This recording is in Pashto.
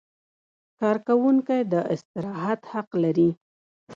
کارکوونکی د استراحت حق لري.